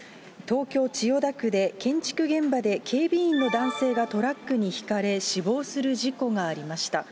東京・千代田区で、建築現場で警備員の男性がトラックにひかれ、死亡する事故がありました。